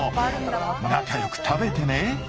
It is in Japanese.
仲良く食べてね。